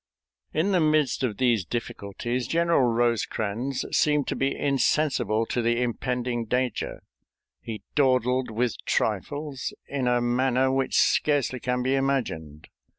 In the midst of these difficulties General Rosecrans seemed to be insensible to the impending danger; he dawdled with trifles in a manner which scarcely can be imagined.